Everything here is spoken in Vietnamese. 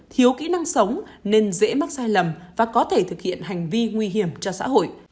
thiếu kỹ năng sống nên dễ mắc sai lầm và có thể thực hiện hành vi nguy hiểm cho xã hội